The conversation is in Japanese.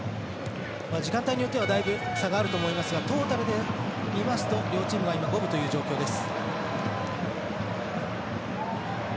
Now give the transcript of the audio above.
時間帯によってはだいぶ差があると思いますがトータルで見ますと両チームは五分という状況です。